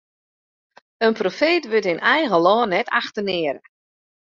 In profeet wurdt yn eigen lân net achtenearre.